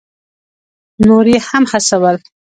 نور یې هم هڅول.